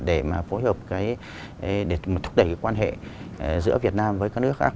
để mà phối hợp để thúc đẩy quan hệ giữa việt nam với các nước khác